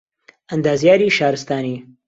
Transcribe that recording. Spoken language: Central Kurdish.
ئەندازیاریی شارستانی